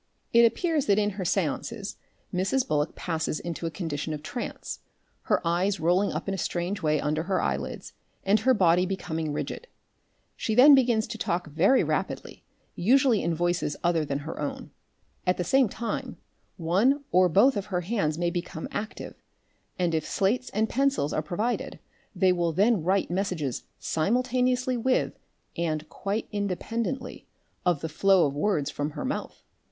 It appears that in her seances, Mrs. Bullock passes into a condition of trance, her eyes rolling up in a strange way under her eyelids, and her body becoming rigid. She then begins to talk very rapidly, usually in voices other than her own. At the same time one or both of her hands may become active, and if slates and pencils are provided they will then write messages simultaneously with and quite independently of the flow of words from her mouth.